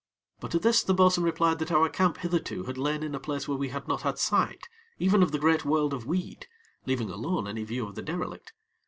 But to this the bo'sun replied that our camp hitherto had lain in a place where we had not sight, even of the great world of weed, leaving alone any view of the derelict.